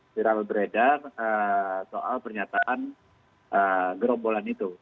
viral beredar soal pernyataan gerombolan itu